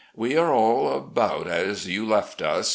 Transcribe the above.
We are all about as you left us.